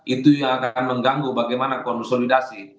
itu yang akan mengganggu bagaimana konsolidasi